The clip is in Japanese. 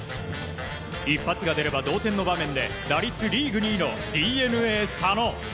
一発が出れば同点の場面で打率リーグ２位のＤｅＮＡ、佐野。